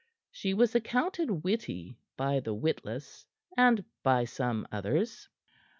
She was accounted witty by the witless, and by some others.